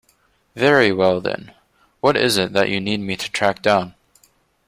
Very well then, what is it that you need me to track down?